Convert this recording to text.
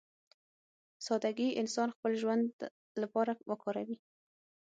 سادهګي انسان خپل ژوند لپاره وکاروي.